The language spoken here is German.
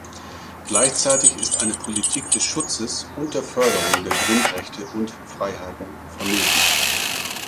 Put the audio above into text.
Gleichzeitig ist eine Politik des Schutzes und der Förderung der Grundrechte und -freiheiten vonnöten.